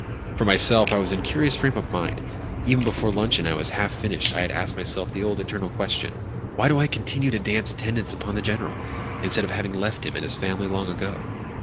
For myself, I was in a curious frame of mind. Even before luncheon was half finished I had asked myself the old, eternal question: "Why do I continue to dance attendance upon the General, instead of having left him and his family long ago?"